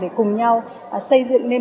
để cùng nhau xây dựng lên